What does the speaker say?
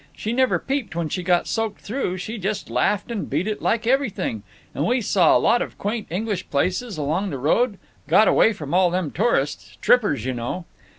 She never peeped when she got soaked through—she just laughed and beat it like everything. And we saw a lot of quaint English places along the road—got away from all them tourists—trippers—you know."